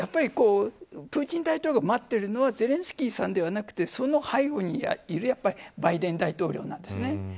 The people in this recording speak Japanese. やはりプーチン大統領が待っているのはゼレンスキーさんではなくその背後にいるバイデン大統領なんです。